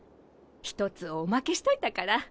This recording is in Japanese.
１つおまけしといたから。